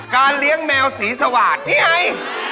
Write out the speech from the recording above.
การเลี้ยงแมวศรีสวาดนี่ไง